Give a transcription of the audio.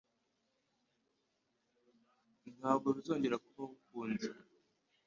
Ntabwo bizongera kubaho ukundi.